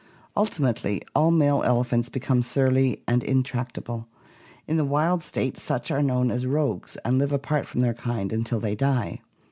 Ultimately all male elephants become surly and intract able; in the wild state such are known as rogues and live apart from their kind until they die.